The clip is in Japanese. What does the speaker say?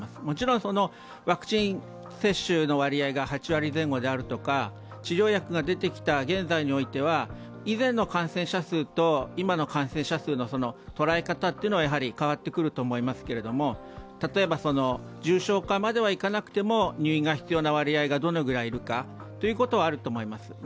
もちろんワクチン接種の割合が８割前後であるとか治療薬が出てきた現在の状況では、以前の感染者数と今の感染者数の捉え方はやはり変わってくると思いますけれども、例えば重症化まではいかなくても入院が必要な割合がどのくらいいるかということはあると思います。